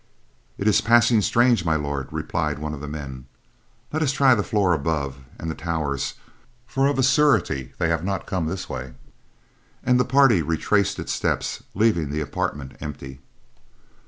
"It is passing strange, My Lord," replied one of the men. "Let us try the floor above, and the towers; for of a surety they have not come this way." And the party retraced its steps, leaving the apartment empty.